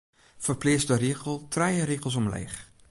Ferpleats de rigel trije rigels omleech.